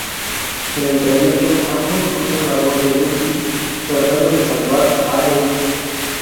En el trayecto, ambos escuchan la voz de Luffy tratando de salvar a Ace.